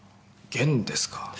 弦ですか。